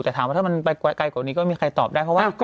แต่ถามว่าถ้ามันไปไกลกว่านี้ก็ไม่มีใครตอบได้